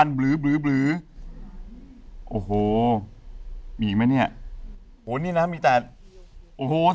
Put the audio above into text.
ต่อที่เลี่ยงโรงแรมนี้นะ